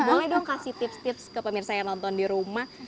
boleh dong kasih tips tips ke pemirsa yang nonton di rumah